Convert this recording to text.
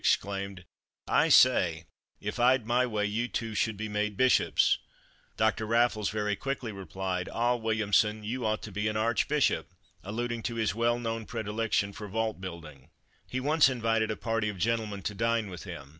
exclaimed "I say, if I'd my way you two should be made bishops." Dr. Raffles very quickly replied, "Ah, Williamson, you ought to be an _arch_bishop!" alluding to his well known predilection for vault building. He once invited a party of gentlemen to dine with him.